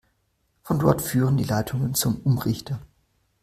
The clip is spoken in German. Von dort führen die Leitungen zum Umrichter.